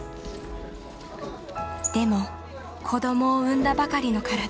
でも子どもを産んだばかりの体。